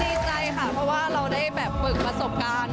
ดีใจค่ะเพราะว่าเราได้แบบฝึกประสบการณ์